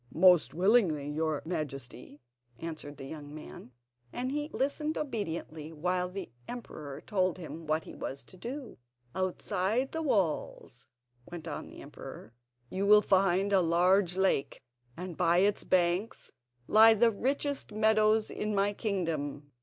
"Most willingly, your Majesty," answered the young man, and he listened obediently while the emperor told him what he was to do. "Outside the city walls," went on the emperor, "you will find a large lake, and by its banks lie the richest meadows in my kingdom.